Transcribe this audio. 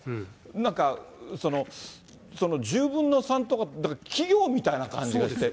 なんか、その１０分の３とか、だから、企業みたいな感じがして。